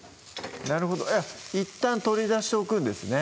なるほどいったん取り出しておくんですね